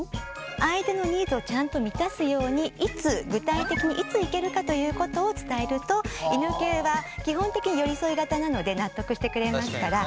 相手のニーズをちゃんと満たすようにいつ具体的にいつ行けるかということを伝えると犬系は基本的に寄り添い型なので納得してくれますから。